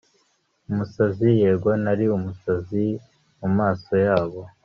umusazi! ... yego, nari umusazi mumaso yabo